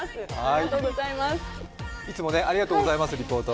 いつもありがとうございます、リポート。